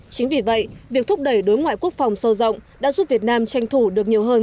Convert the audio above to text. chính vì vậy việc thúc đẩy đối ngoại quốc phòng sâu rộng đã giúp việt nam tranh thủ được nhiều hơn